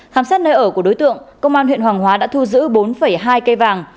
khám xét nơi ở của đối tượng công an huyện hoàng hóa đã thu giữ bốn hai cây vàng